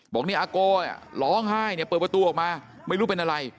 บอกเนี่ยอาโกร้องไห้เนี่ยเปิดประตูออกมาไม่รู้เป็นอะไร